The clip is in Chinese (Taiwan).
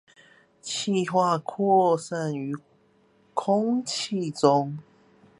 汽化擴散於空氣中